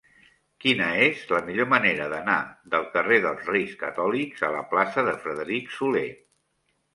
Quina és la millor manera d'anar del carrer dels Reis Catòlics a la plaça de Frederic Soler?